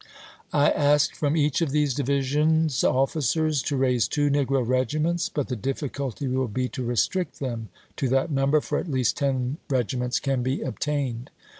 .. I asked from each of these divisions officers to raise two negro regiments, but the difficulty will be to restrict them to that number, for at least ten regiments can be obtained.